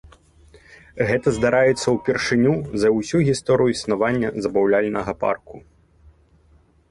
Гэта здарыцца ўпершыню за ўсю гісторыю існавання забаўляльнага парку.